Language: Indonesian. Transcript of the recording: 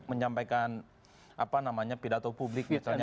menyampaikan apa namanya pidato publik misalnya